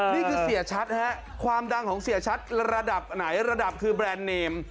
นี่คือเสียชัดเพียร์รดับคือแบรนด์เนม